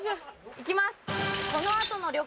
行きます！